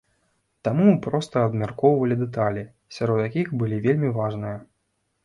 Таму мы проста абмяркоўвалі дэталі, сярод якіх былі вельмі важныя.